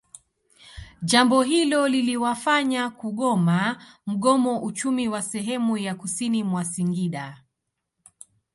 Jambo hilo liliwafanya kugoma mgomo Uchumi wa sehemu ya kusini mwa Singida